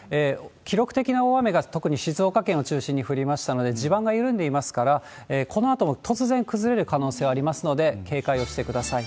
記録的な大雨が、特に静岡県を中心に降りましたので、地盤が緩んでいますから、このあとも突然崩れる可能性はありますので、警戒をしてください。